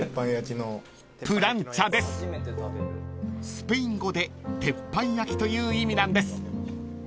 ［スペイン語で鉄板焼きという意味なんです］